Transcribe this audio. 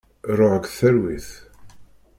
Ruḥ deg talwit.